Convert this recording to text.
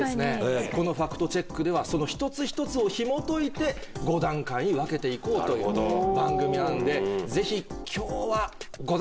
このファクトチェックではその一つ一つをひもといて５段階に分けていこうという番組なんでぜひ今日は。